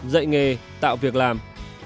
ba dạy nghề tạo việc làm